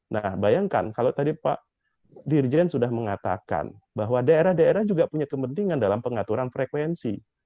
nah bayangkan kalau tadi pak dirjen sudah mengatakan bahwa daerah daerah juga punya kepentingan dalam pengaturan frekuensi